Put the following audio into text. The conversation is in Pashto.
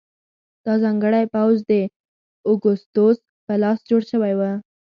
دا ځانګړی پوځ د اګوستوس په لاس جوړ شوی و